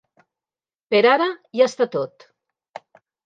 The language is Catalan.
Per ara ja està tot.